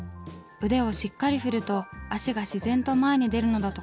腕をしっかり振ると足が自然と前に出るのだとか。